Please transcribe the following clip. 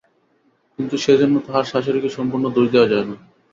কিন্তু সেজন্য তাহার শাশুড়িকে সম্পূর্ণ দোষ দেওয়া যায় না।